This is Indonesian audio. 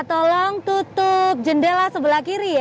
minta tolong tutup jendela sebelah sini ya pak ya